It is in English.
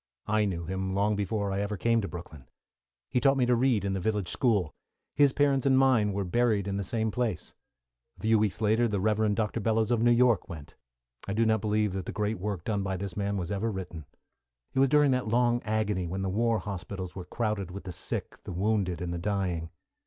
I knew him long before I ever came to Brooklyn. He taught me to read in the village school. His parents and mine were buried in the same place. A few weeks later, the Rev. Dr. Bellows of New York went. I do not believe that the great work done by this good man was ever written. It was during that long agony when the war hospitals were crowded with the sick, the wounded, and the dying.